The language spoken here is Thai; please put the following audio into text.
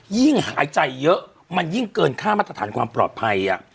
ยิ่งหายใจเยอะมันยิ่งเกินค่ามาตรฐานความปลอดภัย